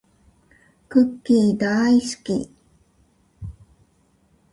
クッキーだーいすき